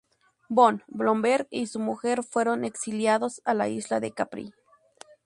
Von Blomberg y su mujer fueron exiliados a la isla de Capri.